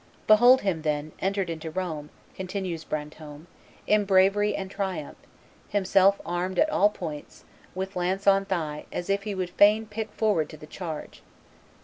Behold him, then, entered into Rome," continues Brantome, "in bravery and triumph, himself armed at all points, with lance on thigh, as if he would fain pick forward to the charge.